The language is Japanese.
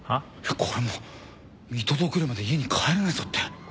これもう見届けるまで家に帰れないぞって。